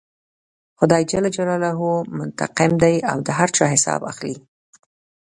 خدای جل جلاله منتقم دی او د هر چا حساب اخلي.